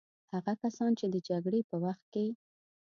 هغه کسان چې د جګړې په وخت کې.